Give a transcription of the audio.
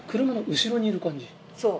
そう。